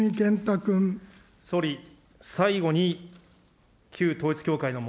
総理、最後に、旧統一教会の